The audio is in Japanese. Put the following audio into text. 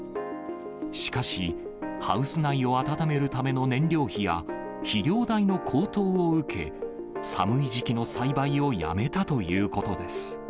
しかし、ハウス内を暖めるための燃料費や肥料代の高騰を受け、寒い時期の栽培をやめたということです。